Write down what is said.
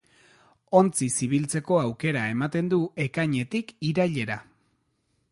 Ontziz ibiltzeko aukera ematen du ekainetik irailera.